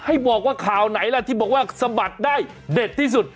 ให้บอกว่าข่าวไหนล่ะที่บอกว่าสะบัดได้เด็ดที่สุด